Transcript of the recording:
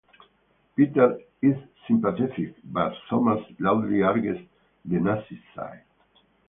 Peter is sympathetic but Thomas loudly argues the Nazi side.